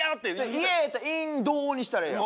イヤやったら「インド」にしたらええやん。